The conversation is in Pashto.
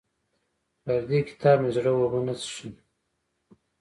پر دې کتاب مې زړه اوبه نه څښي.